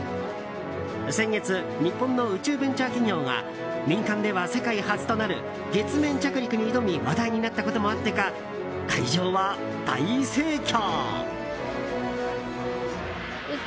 先月日本の宇宙ベンチャー企業が民間では世界初となる月面着陸に挑み話題になったこともあってか会場は大盛況。